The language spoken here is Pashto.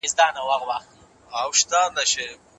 معلومات د مطالعې له لارې دقیق او معیاري کیږي.